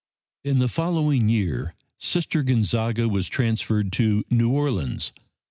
In the following year Sister Gonzaga was transferred to New Orleans.